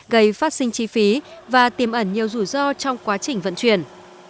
gây phát sinh chi phí và tìm ẩn nhiều rủi ro trong quá trình vận chuyển